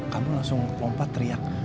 kamu langsung lompat teriak